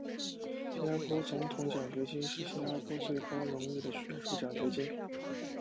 新加坡总统奖学金是新加坡最高荣誉的学术奖学金。